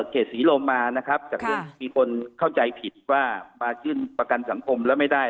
ศรีลมมานะครับจากเรื่องมีคนเข้าใจผิดว่ามายื่นประกันสังคมแล้วไม่ได้